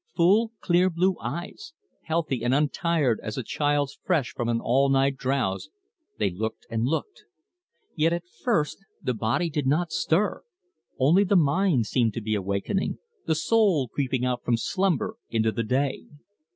Full clear blue eyes, healthy and untired as a child's fresh from an all night's drowse, they looked and looked. Yet, at first, the body did not stir; only the mind seemed to be awakening, the soul creeping out from slumber into the day.